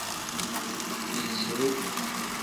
Diiziru.